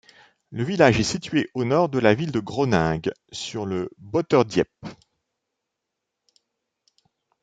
Le village est situé au nord de la ville de Groningue, sur le Boterdiep.